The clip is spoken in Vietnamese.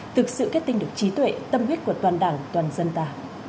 thực sự kết tinh được trí tuệ tâm huyết của toàn đảng toàn dân ta